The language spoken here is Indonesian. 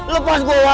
lepas gua allah